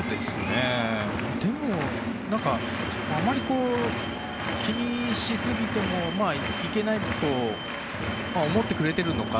でも、あまり気にしすぎてもいけないと思ってくれてるのか